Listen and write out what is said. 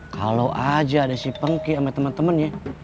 kalau aja ada si pengki sama temen temennya